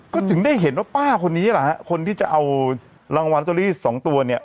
ก็ถึงได้เห็นว่าป้าคนนี้แหละฮะคนที่จะเอารางวัลลอตเตอรี่สองตัวเนี่ย